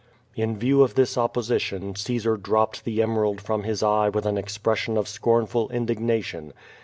In view of this opposition, Caesar dropped the emcralcl from his eye with an expression of scornful indignation.